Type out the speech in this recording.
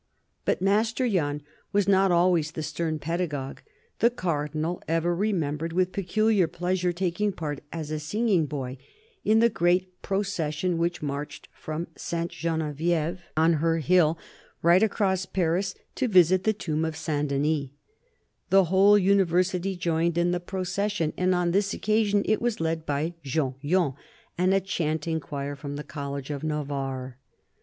But Master Yon was not always the stern pedagogue. The Cardinal ever remembered with peculiar pleasure taking part, as a singing boy, in the great procession which marched from. Ste. Genevieve on her hill, right across Paris, to visit the tomb of St. Denis. The whole^ Univer sity joined in the procession, and on this occasion it was led by Jean Yon and a chanting choir from the College of Navarre.